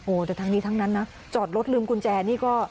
แต่ทั้งนี้ทั้งนั้นนะจอดรถลืมกุญแจนี่ก็